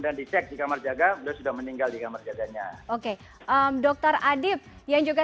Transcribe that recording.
untuk mengatur kejadian saja